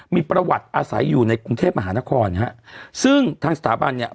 มีประวัติอาศัยอยู่ในกรุงเทพมหานครฮะซึ่งทางสถาบันเนี่ย